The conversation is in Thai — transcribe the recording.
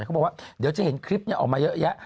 เขาบอกว่าเดี๋ยวจะเห็นคลิปออกมาเยอะแยะ